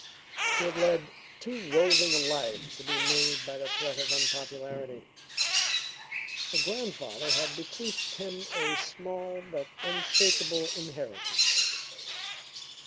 He led too roving a life to be moved by the threat of unpopularity; a grandfather had bequeathed him a small but unshakable inheritance.